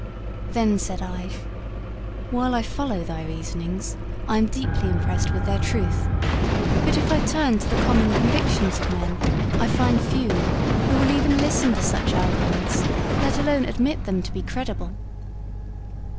Then said I: 'While I follow thy reasonings, I am deeply impressed with their truth; but if I turn to the common convictions of men, I find few who will even listen to such arguments, let alone admit them to be credible.'